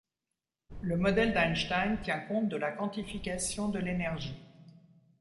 Le modèle d'Einstein tient compte de la quantification de l'énergie.